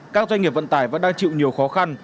các doanh nghiệp vận tải vẫn đang chịu nhiều khó khăn